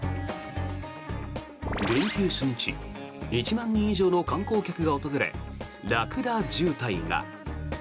連休初日１万人以上の観光客が訪れラクダ渋滞が。